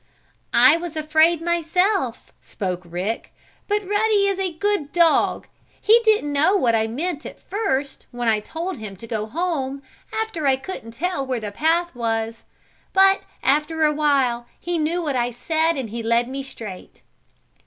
"I was afraid myself," spoke Rick. "But Ruddy is a good dog. He didn't know what I meant first, when I told him to go home, after I couldn't tell where the path was. But, after a while, he knew what I said and he led me straight."